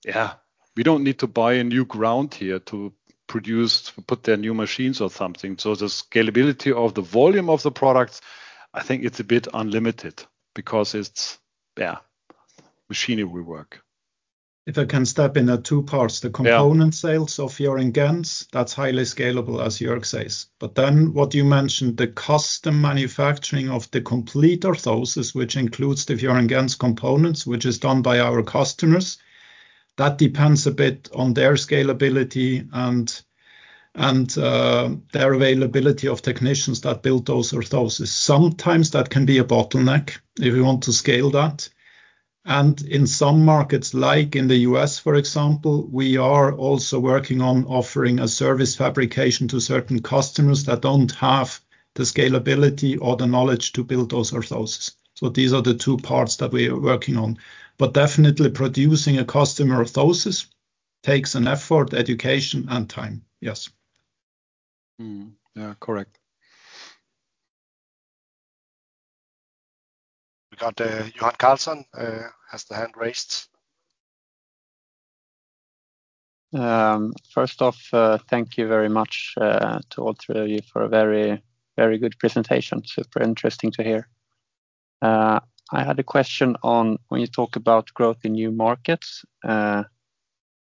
yeah, we don't need to buy a new ground here to produce, put their new machines or something. So the scalability of the volume of the products, I think it's a bit unlimited because it's, yeah, machinery work. If I can step in at two parts, the component sales of Fior & Gentz, that's highly scalable, as Jörg says. But then what you mentioned, the custom manufacturing of the complete orthosis, which includes the Fior & Gentz components, which is done by our customers, that depends a bit on their scalability and their availability of technicians that build those orthoses. Sometimes that can be a bottleneck if you want to scale that. And in some markets, like in the U.S., for example, we are also working on offering a service fabrication to certain customers that don't have the scalability or the knowledge to build those orthoses. So these are the two parts that we are working on. But definitely producing a custom orthosis takes an effort, education, and time, yes. Yeah, correct. We got Johan Karlsson has the hand raised. First off, thank you very much to all three of you for a very, very good presentation. Super interesting to hear. I had a question on when you talk about growth in new markets, and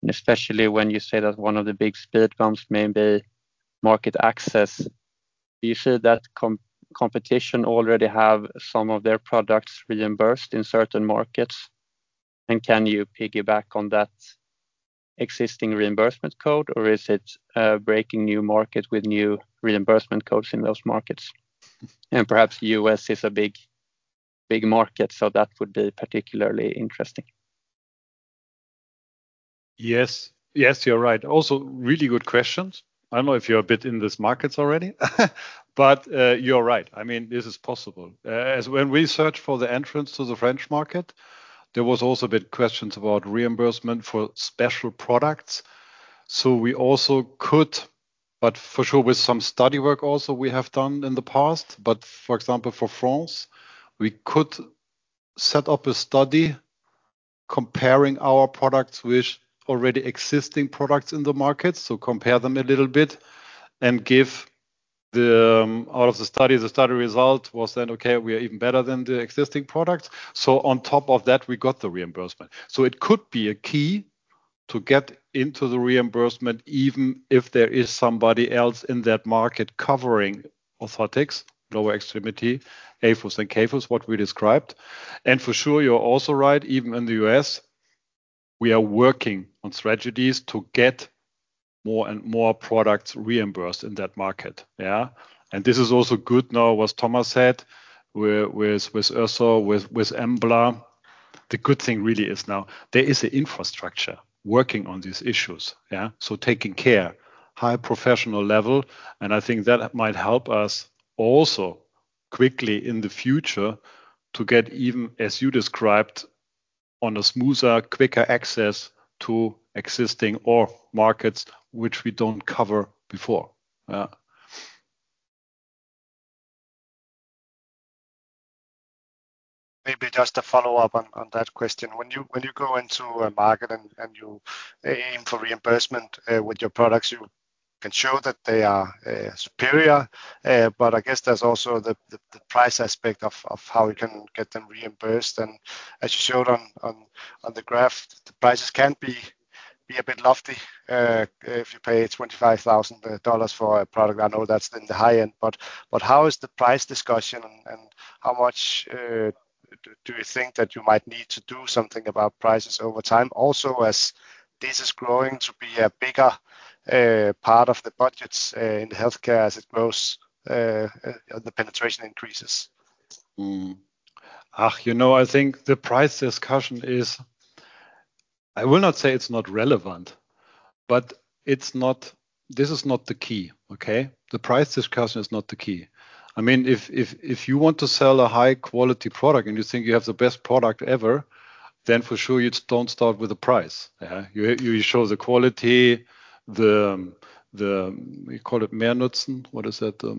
especially when you say that one of the big speed bumps may be market access. Do you see that competition already have some of their products reimbursed in certain markets? And can you piggyback on that existing reimbursement code, or is it breaking new markets with new reimbursement codes in those markets? And perhaps the U.S. is a big market, so that would be particularly interesting. Yes. Yes, you're right. Also really good questions. I don't know if you're a bit in these markets already, but you're right. I mean, this is possible. When we searched for the entrance to the French market, there was also a bit of questions about reimbursement for special products. So we also could, but for sure with some study work also we have done in the past. But for example, for France, we could set up a study comparing our products with already existing products in the market. So compare them a little bit and give out of the study, the study result was then, okay, we are even better than the existing products. So on top of that, we got the reimbursement. So it could be a key to get into the reimbursement even if there is somebody else in that market covering orthotics, lower extremity, AFOs and KAFOs, what we described. And for sure, you're also right, even in the U.S., we are working on strategies to get more and more products reimbursed in that market, yeah? And this is also good now, what Thomas said with Össur, with Embla. The good thing really is now there is an infrastructure working on these issues, yeah? So taking care, high professional level. And I think that might help us also quickly in the future to get even, as you described, on a smoother, quicker access to existing or markets which we don't cover before, yeah? Maybe just a follow-up on that question. When you go into a market and you aim for reimbursement with your products, you can show that they are superior. But I guess there's also the price aspect of how you can get them reimbursed. And as you showed on the graph, the prices can be a bit lofty if you pay $25,000 for a product. I know that's in the high end. But how is the price discussion and how much do you think that you might need to do something about prices over time? Also, as this is growing to be a bigger part of the budgets in healthcare as it grows and the penetration increases. You know, I think the price discussion is. I will not say it's not relevant, but this is not the key, okay? The price discussion is not the key. I mean, if you want to sell a high-quality product and you think you have the best product ever, then for sure you don't start with the price, yeah? You show the quality, the. We call it Mehrnutzen, what is that, the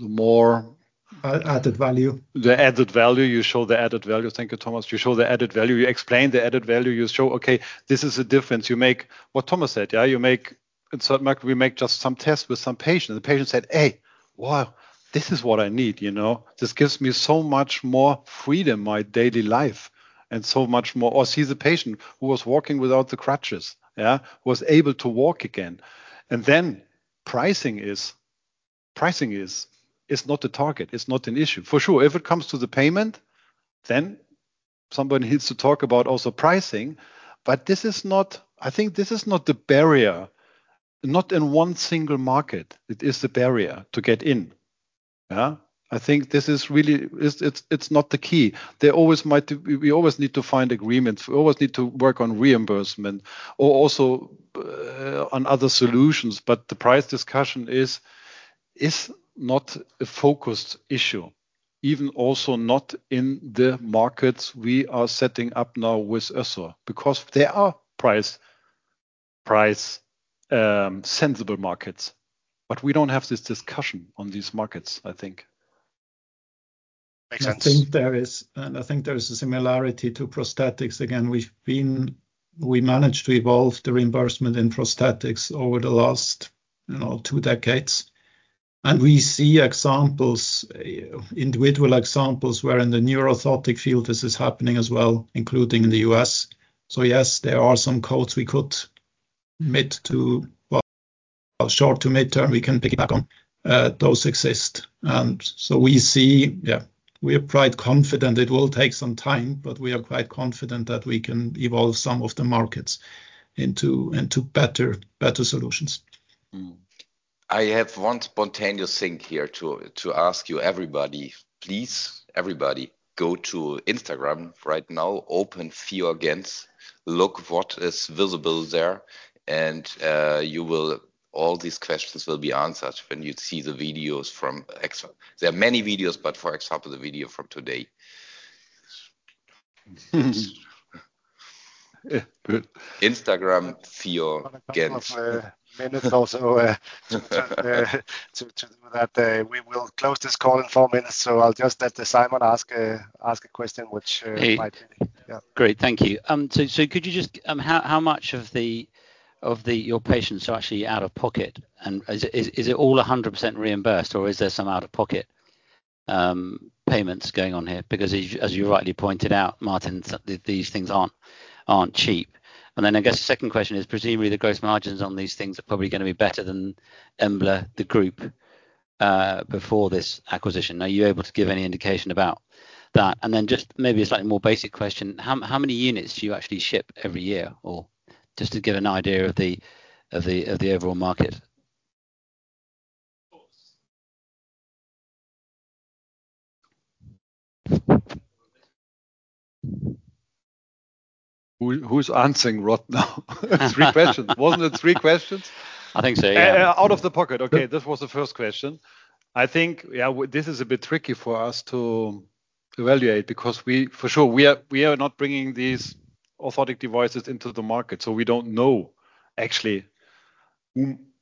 more. Added value. The added value, you show the added value. Thank you, Thomas. You show the added value. You explain the added value. You show, okay, this is a difference. You make what Thomas said, yeah? You make, in certain markets, we make just some tests with some patients. The patient said, "Hey, wow, this is what I need, you know? This gives me so much more freedom in my daily life and so much more," or see the patient who was walking without the crutches, yeah? Was able to walk again, and then pricing is, pricing is not the target. It's not an issue. For sure, if it comes to the payment, then somebody needs to talk about also pricing. But this is not, I think this is not the barrier. Not in one single market. It is the barrier to get in, yeah? I think this is really. It's not the key. We always need to find agreements. We always need to work on reimbursement or also on other solutions. But the price discussion is not a focused issue, even also not in the markets we are setting up now with Össur, because there are price-sensitive markets. But we don't have this discussion on these markets, I think. Makes sense. I think there is, and I think there is a similarity to prosthetics. Again, we managed to evolve the reimbursement in prosthetics over the last two decades. And we see examples, individual examples where in the neuro-orthotic field this is happening as well, including in the U.S. So yes, there are some codes we could commit to short to mid-term, we can piggyback on, those exist. And so we see, yeah, we are quite confident it will take some time, but we are quite confident that we can evolve some of the markets into better solutions. I have one spontaneous thing here to ask you, everybody, please, everybody, go to Instagram right now, open Fior & Gentz, look what is visible there, and all these questions will be answered when you see the videos from Össur. There are many videos, but for example, the video from today. Yeah, good. Instagram, Fior & Gentz. Minutes also to do that. We will close this call in four minutes, so I'll just let Simon ask a question which might be. Great, thank you. So could you just, how much of your patients are actually out of pocket? And is it all 100% reimbursed, or is there some out-of-pocket payments going on here? Because as you rightly pointed out, Martin, these things aren't cheap. And then I guess the second question is, presumably the gross margins on these things are probably going to be better than Embla, the group, before this acquisition. Are you able to give any indication about that? And then just maybe a slightly more basic question, how many units do you actually ship every year? Or just to give an idea of the overall market. Who's answering right now? Three questions. Wasn't it three questions? I think so, yeah. Out of the pocket, okay. This was the first question. I think, yeah, this is a bit tricky for us to evaluate because we, for sure, we are not bringing these orthotic devices into the market, so we don't know actually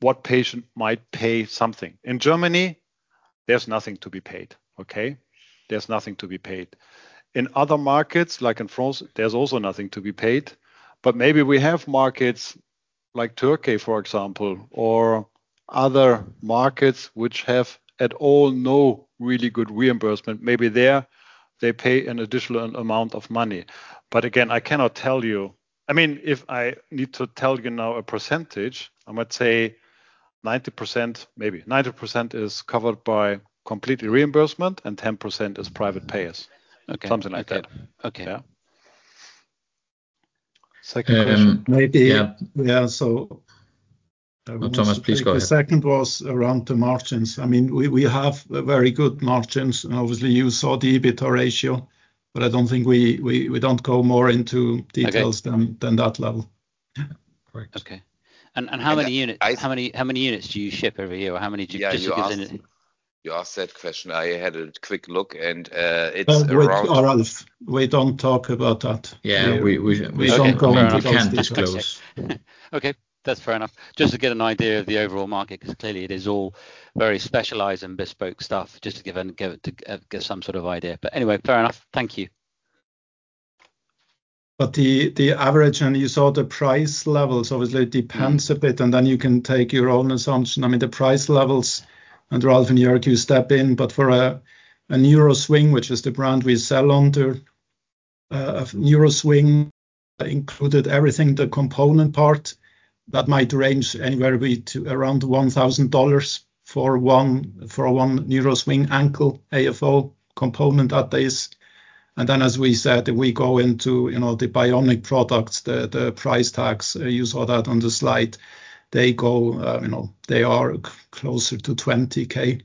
what patient might pay something. In Germany, there's nothing to be paid, okay? There's nothing to be paid. In other markets, like in France, there's also nothing to be paid. But maybe we have markets like Turkey, for example, or other markets which have at all no really good reimbursement. Maybe there they pay an additional amount of money. But again, I cannot tell you. I mean, if I need to tell you now a percentage, I might say 90%, maybe 90% is covered by complete reimbursement and 10% is private payers. Something like that, yeah? Second question. Maybe, yeah. So Thomas, please go ahead. The second was around the margins. I mean, we have very good margins, and obviously you saw the EBITDA ratio, but I don't think we don't go more into details than that level. Okay. And how many units? How many units do you ship every year? Or how many do you put in? Your third question, I had a quick look and it's around. We don't talk about that. We don't go into details. Okay, that's fair enough. Just to get an idea of the overall market, because clearly it is all very specialized and bespoke stuff, just to give some sort of idea. But anyway, fair enough. Thank you. But the average, and you saw the price levels, obviously it depends a bit, and then you can take your own assumption. I mean, the price levels, and Ralf, you're to step in, but for a NEURO SWING, which is the brand we sell under, NEURO SWING included everything, the component part, that might range anywhere around $1,000 for one NEURO SWING ankle AFO component these days. And then, as we said, if we go into the bionic products, the price tags, you saw that on the slide, they go, they are closer to $20,000.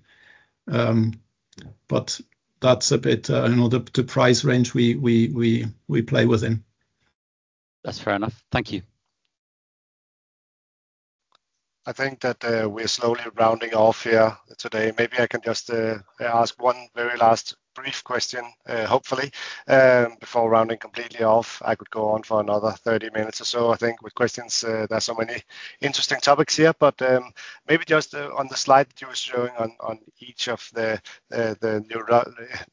But that's a bit the price range we play within. That's fair enough. Thank you. I think that we're slowly rounding off here today. Maybe I can just ask one very last brief question, hopefully, before rounding completely off. I could go on for another 30 minutes or so, I think, with questions. There are so many interesting topics here, but maybe just on the slide that you were showing on each of the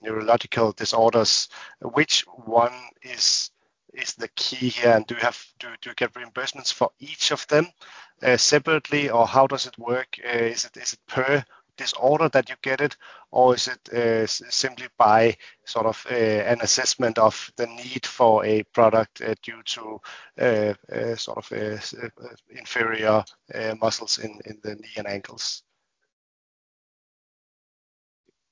neurological disorders, which one is the key here? And do you get reimbursements for each of them separately, or how does it work? Is it per disorder that you get it, or is it simply by sort of an assessment of the need for a product due to sort of inferior muscles in the knee and ankles?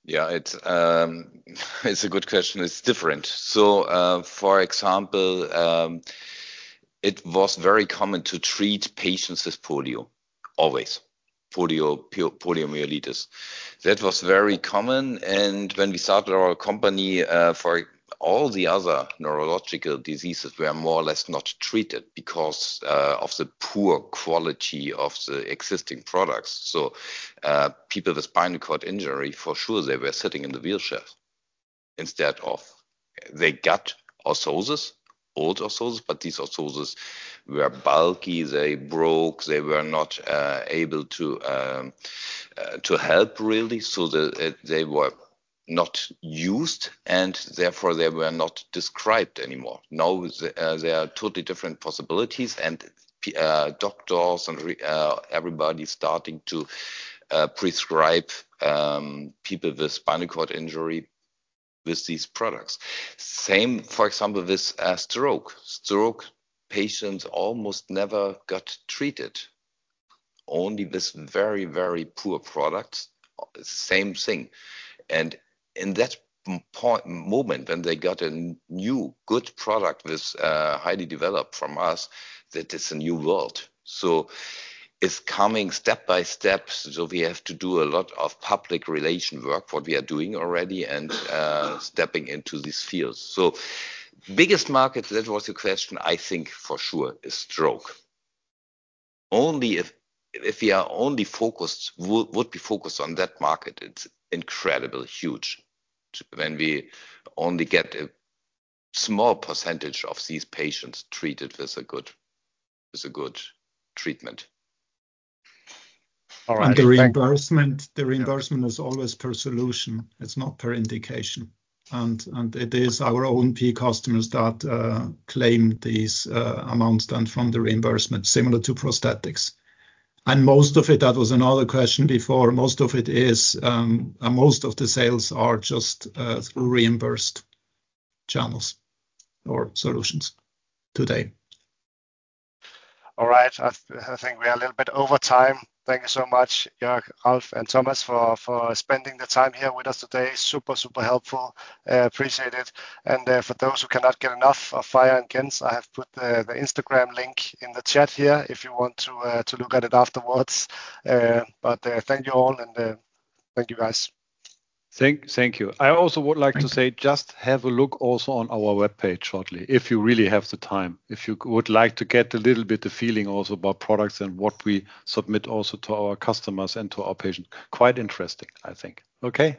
Yeah, it's a good question. It's different. So, for example, it was very common to treat patients with polio, always. Polio, poliomyelitis. That was very common. And when we started our company, for all the other neurological diseases, we are more or less not treated because of the poor quality of the existing products. So people with spinal cord injury, for sure, they were sitting in the wheelchair instead of they got orthoses, old orthoses, but these orthoses were bulky, they broke, they were not able to help really. So they were not used, and therefore they were not described anymore. Now there are totally different possibilities, and doctors and everybody starting to prescribe people with spinal cord injury with these products. Same, for example, with stroke. Stroke patients almost never got treated, only with very, very poor products, same thing. And in that moment, when they got a new good product with highly developed from us, that is a new world. So it's coming step by step, so we have to do a lot of public relation work, what we are doing already, and stepping into these fields. So biggest market, that was your question, I think for sure is stroke. If we are only focused, would be focused on that market, it's incredibly huge when we only get a small percentage of these patients treated with a good treatment. The reimbursement, the reimbursement is always per solution. It's not per indication. It is our O&P customers that claim these amounts then from the reimbursement, similar to prosthetics. Most of it, that was another question before, most of it is, most of the sales are just reimbursed channels or solutions today. All right, I think we are a little bit over time. Thank you so much, Jörg, Ralf, and Thomas for spending the time here with us today. Super, super helpful. Appreciate it, and for those who cannot get enough of Fior & Gentz, I have put the Instagram link in the chat here if you want to look at it afterwards, but thank you all, and thank you guys. Thank you. I also would like to say, just have a look also on our webpage shortly, if you really have the time, if you would like to get a little bit of feeling also about products and what we submit also to our customers and to our patients. Quite interesting, I think. Okay?